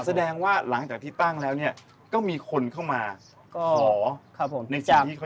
แสดงว่าหลังจากที่ตั้งแล้วก็มีคนเข้ามาขอในชีวิตเขาอยากจะได้